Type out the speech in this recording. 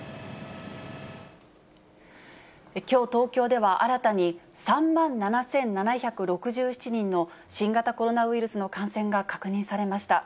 きょう、東京では新たに３万７７６７人の新型コロナウイルスの感染が確認されました。